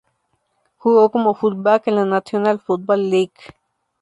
Jugó como fullback en la National Football League.